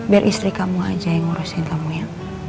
biar istri kamu aja yang ngurusin kamu ya